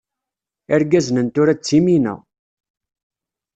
Irgazen n tura d ttimina.